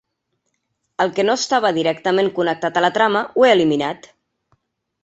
El que no estava directament connectat a la trama, ho he eliminat.